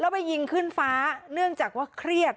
ไปยิงขึ้นฟ้าเนื่องจากว่าเครียด